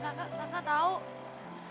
risa pengen tidur